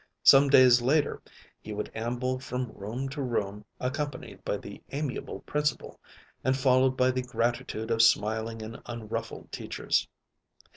Some days later he would amble from room to room, accompanied by the amiable Principal, and followed by the gratitude of smiling and unruffled teachers.